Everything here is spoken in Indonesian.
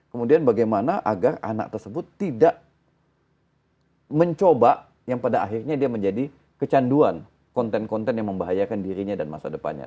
kemudian bagaimana agar anak tersebut tidak mencoba yang pada akhirnya dia menjadi kecanduan konten konten yang membahayakan dirinya dan masa depannya